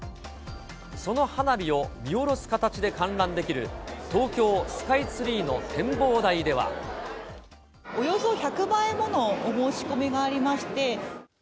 その花火を見下ろす形で観覧できる、東京スカイツリーの展望台でおよそ１００倍ものお申し込みがありまして。